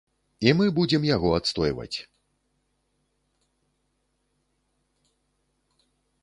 І мы будзем яго адстойваць!